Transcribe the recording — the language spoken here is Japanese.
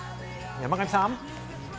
山神さん。